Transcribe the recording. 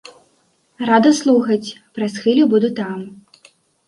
Рада слухаць, праз хвілю буду там.